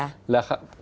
itu sesuai dengan